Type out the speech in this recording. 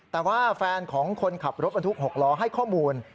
แต่ว่าแฟนของคนขับรถบรรทุก๖ล้อให้ข้อมูล